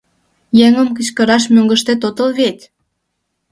Еҥым кычкыраш мӧҥгыштет отыл вет!